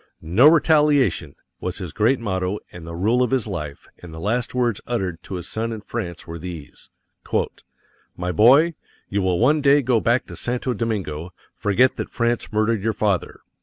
"No Retaliation" was his great motto and the rule of his life; and the last words uttered to his son in France were these: "My boy, you will one day go back to Santo Domingo; forget that France murdered your father."